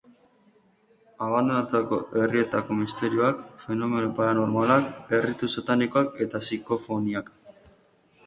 Abandonatutako herrietako misterioak, fenomeno paranormalak, erritu satanikoak eta sikofoniak.